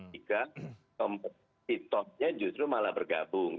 jika kompetitornya justru malah bergabung